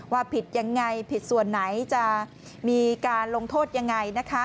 ผิดยังไงผิดส่วนไหนจะมีการลงโทษยังไงนะคะ